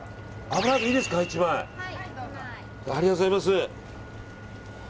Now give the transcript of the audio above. ありがとうございます。